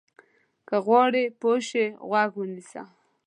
که غواړې پوه شې، غوږ ونیسه.